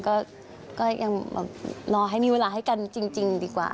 ก็ยังแบบรอให้มีเวลาให้กันจริงดีกว่า